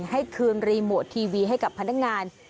ให้คืนรีโมททีวีให้กับพนักงาน